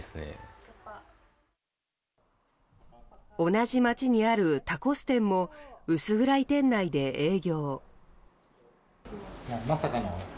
同じ街にあるタコス店も薄暗い店内で営業。